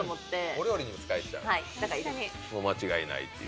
お料理にも使えちゃうもう間違いないっていうね。